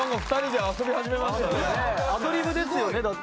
アドリブですよねだって。